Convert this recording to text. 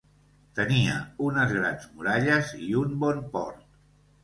Tenia unes grans muralles i un bon port.